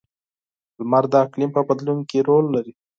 • لمر د اقلیم په بدلون کې رول لري.